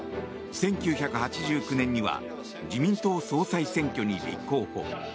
１９８９年には自民党総裁選挙に立候補。